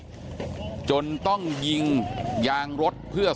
ตำรวจต้องไล่ตามกว่าจะรองรับเหตุได้